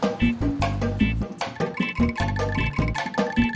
kalau rusak nggak usah diservis